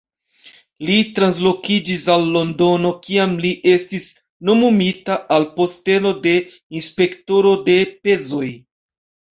Li translokiĝis al Londono kiam li estis nomumita al posteno de Inspektoro de pezoj.